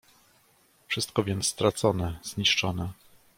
"wszystko więc stracone, zniszczone!"